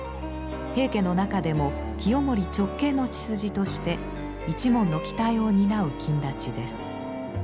平家の中でも清盛直系の血筋として一門の期待を担う公達です。